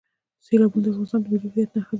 سیلابونه د افغانستان د ملي هویت نښه ده.